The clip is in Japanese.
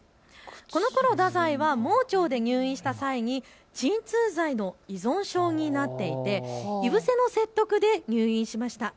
このころ太宰は盲腸で入院した際、鎮痛剤の依存症になっていて井伏の説得で入院しました。